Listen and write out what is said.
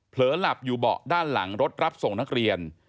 หลับอยู่เบาะด้านหลังรถรับส่งนักเรียน